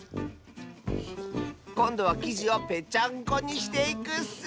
こんどはきじをぺちゃんこにしていくッス！